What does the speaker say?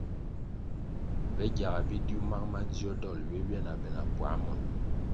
Pe gyaga bidiu mang madzio dolʼ ywe ywia na be na puā monʼ.